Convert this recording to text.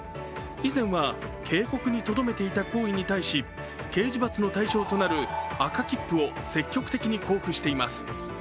以前は警告にとどめていた行為に対し、刑事罰の対象となる赤切符を積極的に交付しています。